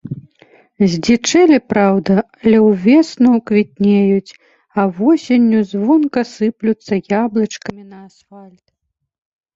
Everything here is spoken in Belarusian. Здзічэлі, праўда, але ўвесну квітнеюць, а восенню звонка сыплюцца яблычкамі на асфальт.